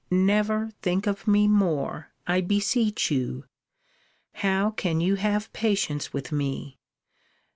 Never think of me more I beseech you How can you have patience with me?